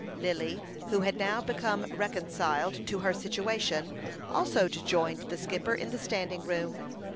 Lily, who had now become reconciled to her situation, also joined the skipper in the standing room.